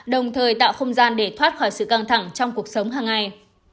đồng thời tạo không gian để thoát khỏi sự căng thẳng trong cuộc sống hàng ngày